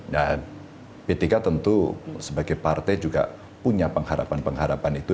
dan p tiga tentu sebagai partai juga punya pengharapan pengharapan itu